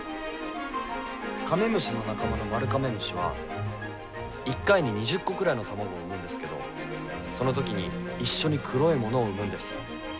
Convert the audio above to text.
カメムシの仲間のマルカメムシは一回に２０個くらいの卵を産むんですけどその時に一緒に黒いものを産むんです。